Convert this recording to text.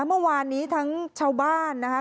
เมื่อวานนี้ทั้งชาวบ้านนะคะ